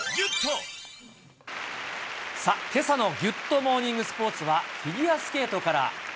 さあ、けさのギュッとモーニングスポーツは、フィギュアスケートから。